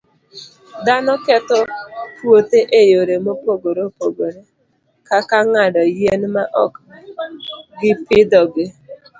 Dhano ketho puothe e yore mopogore opogore, kaka ng'ado yien maok gipidhogi.